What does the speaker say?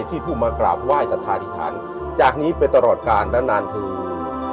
ที่ผู้มากราบไหว้สัทธาธิษฐานจากนี้ไปตลอดกาลและนานถึง